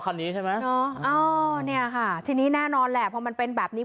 อ่าเนี้ยค่ะทีนี้แน่นอนแหละเพราะมันเป็นแบบนี้